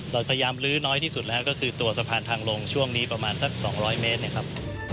เราพยายามลื้อน้อยที่สุดแล้วก็คือตัวสะพานทางลงช่วงนี้ประมาณสัก๒๐๐เมตรนะครับ